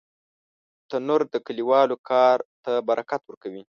تنور د کلیوالو کار ته برکت ورکوي